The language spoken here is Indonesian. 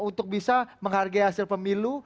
untuk bisa menghargai hasil pemilu